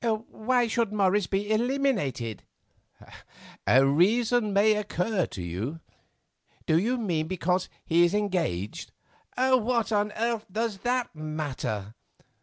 "Why should Morris be eliminated?" "A reason may occur to you." "Do you mean because he is engaged? What on earth does that matter?"